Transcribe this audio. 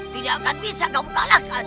tidak akan bisa kamu kalahkan